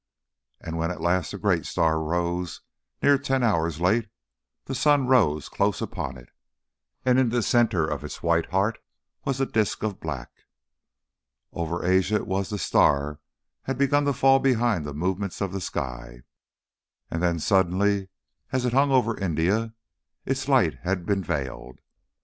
And when at last the great star rose near ten hours late, the sun rose close upon it, and in the centre of its white heart was a disc of black. Over Asia it was the star had begun to fall behind the movement of the sky, and then suddenly, as it hung over India, its light had been veiled.